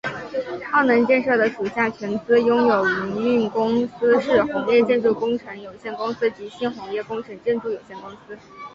澳能建设的属下全资拥有营运公司是鸿业建筑工程有限公司及新鸿业工程建筑有限公司。